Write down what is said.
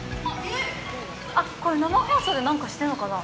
これ生放送で何かしてるのかな。